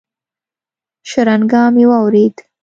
شرنگا مې واورېد.